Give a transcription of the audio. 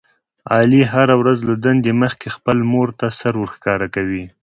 علي هره ورځ له دندې مخکې خپلې مورته سر ورښکاره کوي.